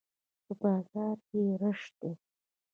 په بازار کښي رش دئ.